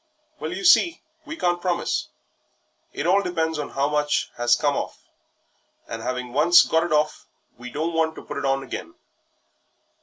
"Well, you see, we can't promise; it all depends on how much has come off, and 'aving once got it hoff, we don't want to put it on again."